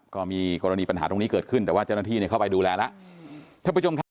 ก็มีกรณีปัญหาตรงนี้เกิดขึ้นแต่ว่าเจ้าหน้าที่เข้าไปดูแลแล้ว